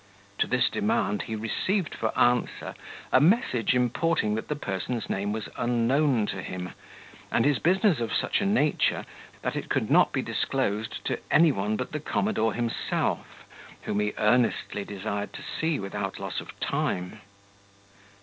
To this demand he received for answer a message importing that the person's name was unknown to him, and his business of such a nature, that it could not be disclosed to any one but the commodore himself, whom he earnestly desired to see without loss of time.